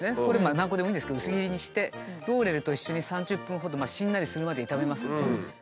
これ何個でもいいんですけど薄切りにしてローレルと一緒に３０分ほどしんなりするまで炒めます。